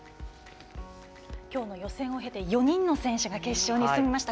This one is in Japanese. きょうの予選を経て４人の選手が決勝に進みました。